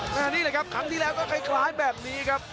แบบนี้เลยครับคำที่แล้วก็คล้ายแบบนี้ครับ